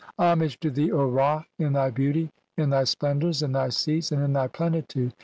(338) "Homage to thee, O Ra in thy beauty, in "thy splendours, in thy seats, and in thy plenitude.